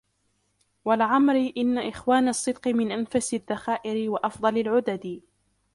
وَلَعَمْرِي إنَّ إخْوَانَ الصِّدْقِ مِنْ أَنْفَسِ الذَّخَائِرِ وَأَفْضَلِ الْعُدَدِ